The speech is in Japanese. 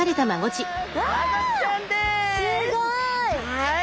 はい。